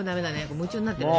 夢中になってるね。